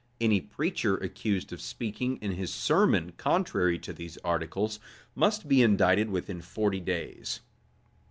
Any preacher accused of speaking in his sermon contrary to these articles, must be indicted within forty days.